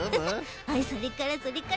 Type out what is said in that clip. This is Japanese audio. それからそれから。